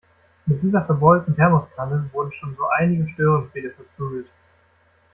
Mit dieser verbeulten Thermoskanne wurden schon so einige Störenfriede verprügelt.